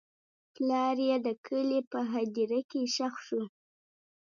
پلار یې د کلي په هدیره کې ښخ شو.